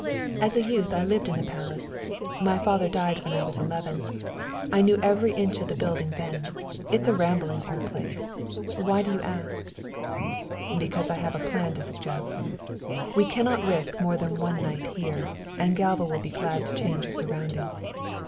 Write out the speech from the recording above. As a youth I lived in the Palace; my father died when I was eleven. I knew every inch of the building then. It's a rambling old place. Why do you ask?" "Because I have a plan to suggest. We cannot risk more than one night here, and Galva will be glad to change her surroundings.